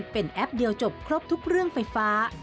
เป็นแอปเดียวจบครบทุกเรื่องไฟฟ้า